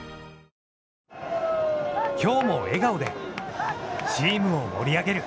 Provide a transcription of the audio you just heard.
きょうも笑顔でチームを盛り上げる。